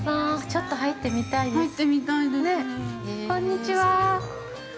◆ちょっと入ってみたいです。